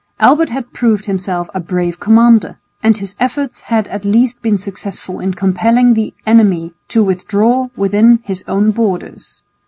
Albert had proved himself a brave commander, and his efforts had at least been successful in compelling the enemy to withdraw within his own borders.